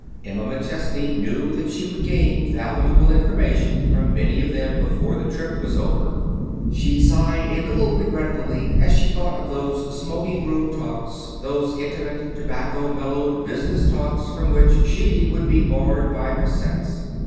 Emma McChesney knew that she would gain valuable information from many of them before the trip was over. She sighed a little regretfully as she thought of those smoking room talks those intimate, tobacco mellowed business talks from which she would be barred by her sex.